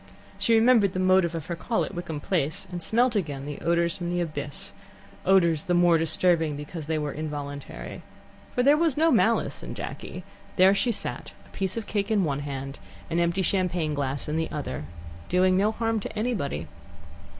She remembered the motive of her call at Wickham Place, and smelt again odours from the abyss odours the more disturbing because they were involuntary. For there was no malice in Jacky. There she sat, a piece of cake in one hand, an empty champagne glass in the other, doing no harm to anybody.